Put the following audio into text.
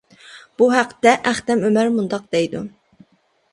بۇ ھەقتە ئەختەم ئۆمەر مۇنداق دەيدۇ.